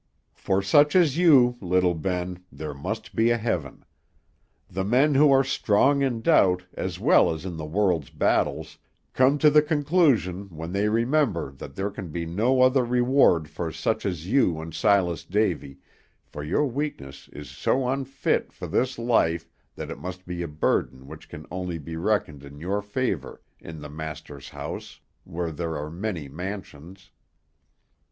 For such as you, little Ben, there must be a heaven. The men who are strong in doubt, as well as in the world's battles, come to that conclusion when they remember that there can be no other reward for such as you and Silas Davy, for your weakness is so unfit for this life that it must be a burden which can only be reckoned in your favor in the Master's house where there are many mansions.